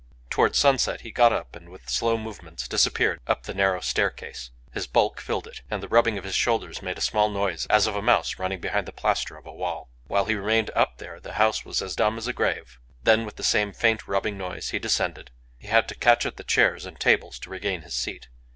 Towards sunset he got up, and with slow movements disappeared up the narrow staircase. His bulk filled it; and the rubbing of his shoulders made a small noise as of a mouse running behind the plaster of a wall. While he remained up there the house was as dumb as a grave. Then, with the same faint rubbing noise, he descended. He had to catch at the chairs and tables to regain his seat.